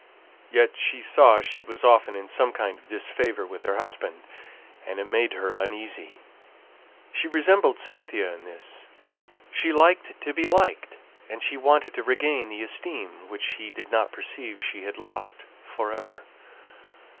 Yet she saw she was often in some kind of disfavour with her husband, and it made her uneasy. She resembled Cynthia in this: she liked to be liked; and she wanted to regain the esteem which she did not perceive she had lost for ever.